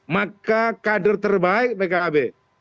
maka kader terbaik pkb